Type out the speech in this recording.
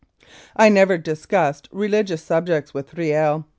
I never discussed religious subjects with Kiel.